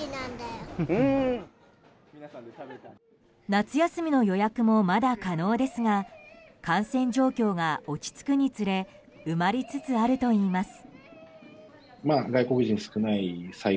夏休みの予約もまだ可能ですが感染状況が落ち着くにつれ埋まりつつあるといいます。